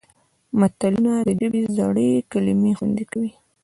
متلونه د ژبې زړې کلمې خوندي کوي